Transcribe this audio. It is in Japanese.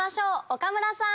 岡村さん！